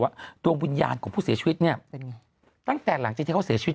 ว่าดวงวิญญาณของผู้เสียชีวิตเนี่ยตั้งแต่หลังที่เขาเสียชีวิต